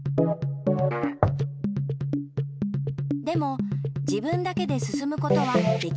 でも自分だけですすむことはできません。